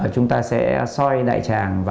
chúng ta sẽ soi đại tràng